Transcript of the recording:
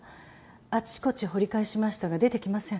あちこち掘り返しましたが出てきません。